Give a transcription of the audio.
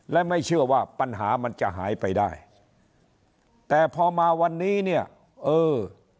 และไม่เชื่อว่าปัญหามันจะหายไปได้แต่พอมาวันนี้เนี่ยเออ